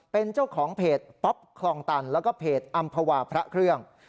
เป็นเจ้าของเพจป๊อปคลองตันแล้วก็เพจอำภาวาพระเครื่อง